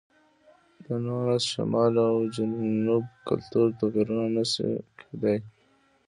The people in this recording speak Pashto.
د نوګالس شمال او جنوب کلتور توپیرونه نه شي کېدای.